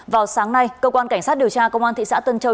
vào sáng nay cơ quan cảnh sát điều tra công an thị xã tân châu